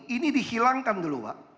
ini dihilangkan dulu pak